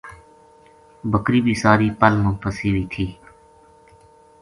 بکری بے ساری پل ما پھَسی وی تھی